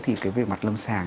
thì cái về mặt lâm sàng